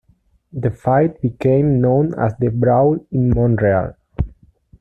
The fight became known as The Brawl in Montreal.